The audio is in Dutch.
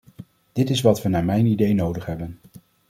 Dit is wat we naar mijn idee nodig hebben.